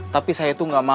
tapi saya tuh gak mau